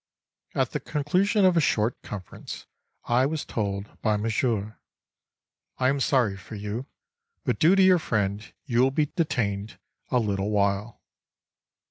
At the conclusion of a short conference I was told by Monsieur: "I am sorry for you, but due to your friend you will be detained a little while."